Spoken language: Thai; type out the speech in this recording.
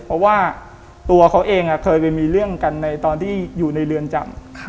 เพราะว่าตัวเขาเองเคยไปมีเรื่องกันในตอนที่อยู่ในเรือนจำ